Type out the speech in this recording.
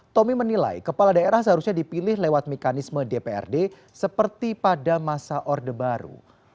tommy menilai kepala daerah seharusnya dipilih lewat mekanisme dprd seperti pada masa orde baru